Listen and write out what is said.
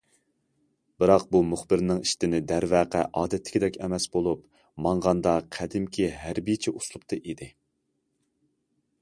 بىراق بۇ مۇخبىرنىڭ ئىشتىنى دەرۋەقە ئادەتتىكىدەك ئەمەس بولۇپ، ماڭغاندا قەدىمكى ھەربىيچە ئۇسلۇبتا ئىدى.